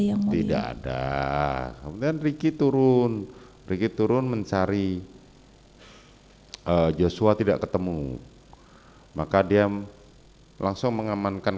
yang tidak ada kemudian ricky turun ricky turun mencari joshua tidak ketemu maka diam langsung mengamankan